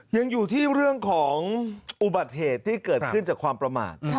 ยังอยู่ที่เรื่องของอุบัติเหตุที่เกิดขึ้นจากความประมาท